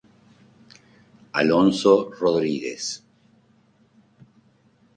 Alonso Rodríguez.